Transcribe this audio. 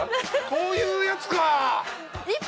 こういうやつか。